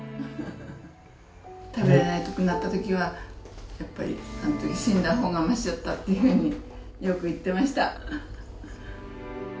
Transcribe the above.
食べられなくなったときはやっぱりあのとき死んだほうがましやったっていうふうによく言ってました。